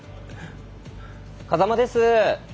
風間です！